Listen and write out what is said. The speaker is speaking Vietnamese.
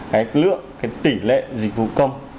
cái lượng cái tỷ lệ dịch vũ công